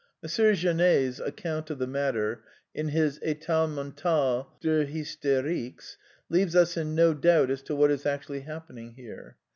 M. Janet's account of the matter in his £tat mentale des Hysteriques, leaves us in no doubt as to what is actu ally happening here.